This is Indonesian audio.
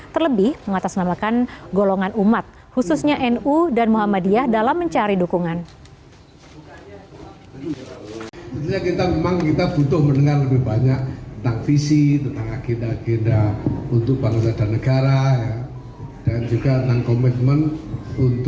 terlebih mengatasnamakan golongan umat khususnya nu dan muhammadiyah dalam mencari dukungan